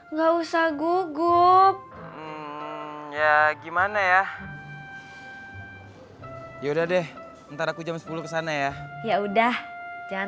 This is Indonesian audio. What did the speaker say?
nggak usah gugup ya gimana ya ya udah deh ntar aku jam sepuluh ke sana ya ya udah jangan